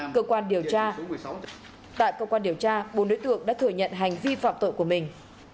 cơ quan điều tra tại cơ quan điều tra bốn đối tượng đã thừa nhận hành vi phạm tội của mình